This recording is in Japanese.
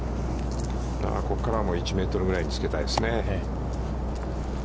ここから１メートルぐらいにつけたいですよね。